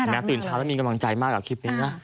ตื่นเช้าแล้วมีกำลังใจมากกับคลิปนี้นะ